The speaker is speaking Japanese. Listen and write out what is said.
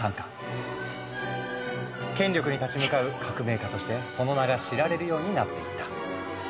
権力に立ち向かう革命家としてその名が知られるようになっていった。